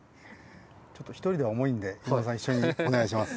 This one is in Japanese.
ちょっと一人では重いんで伊野尾さん一緒にお願いします。